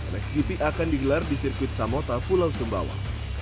mxgp akan digelar di sirkuit samota pulau sumbawa